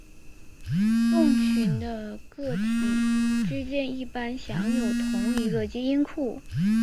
种群的个体之间一般享有同一个基因库。